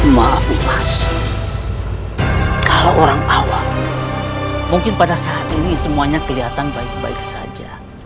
maaf mas kalau orang awam mungkin pada saat ini semuanya kelihatan baik baik saja